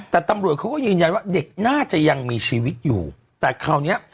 แต่ตำรวจเขาก็ยืนยันว่าเด็กน่าจะยังมีชีวิตอยู่แต่คราวเนี้ย